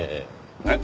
えっ？